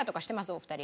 お二人。